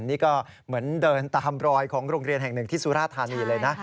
นี่ก็เหมือนเดินตามรอยของโรงเรียนแห่งหนึ่งที่สุราธานีเลยนะ